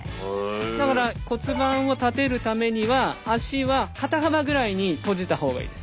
だから骨盤を立てるためには足は肩幅ぐらいに閉じた方がいいです。